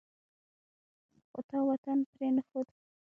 خو تا وطن پرې نه ښود.